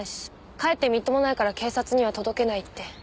かえってみっともないから警察には届けないって。